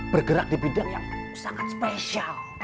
bergerak di bidang yang sangat spesial